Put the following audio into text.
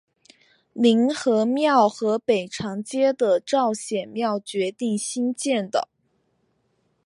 凝和庙和北长街的昭显庙决定兴建的。